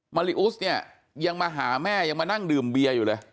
มาริอุสเนี่ยยังมาหาแม่ยังมานั่งดื่มเบียร์อยู่เลย